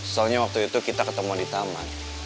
soalnya waktu itu kita ketemu di taman